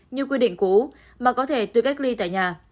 như quy định cũ mà có thể tự cách ly tại nhà